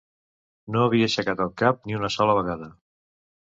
No havia aixecat el cap ni una sola vegada.